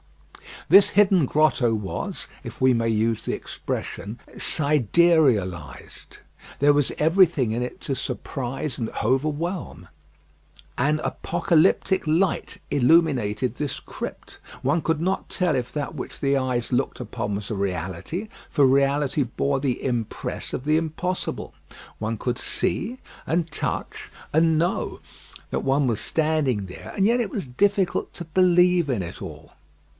This hidden grotto was, if we may use the expression, siderealised. There was everything in it to surprise and overwhelm. An apocalyptic light illuminated this crypt. One could not tell if that which the eyes looked upon was a reality, for reality bore the impress of the impossible. One could see, and touch, and know that one was standing there, and yet it was difficult to believe in it all.